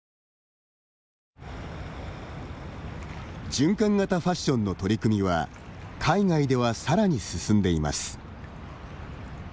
循環型ファッションの取り組みは海外ではさらに進んでいます。